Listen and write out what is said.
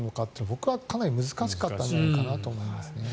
僕はかなり難しかったんじゃないかと思います。